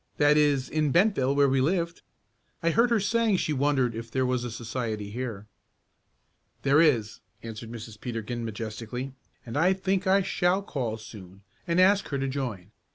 "That is in Bentville where we lived. I heard her saying she wondered if there was a society here." "There is," answered Mrs. Peterkin majestically, "and I think I shall call soon, and ask her to join.